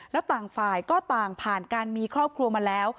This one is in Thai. แล้วต่างฝ่ายก็ต่างผ่านการมีครอบครัวมาแล้ว